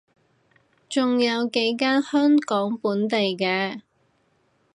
仲有幾間香港本地嘅